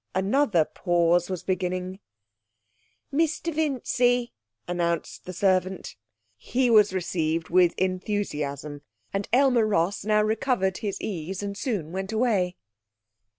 Another pause was beginning. 'Mr Vincy,' announced the servant. He was received with enthusiasm, and Aylmer Ross now recovered his ease and soon went away.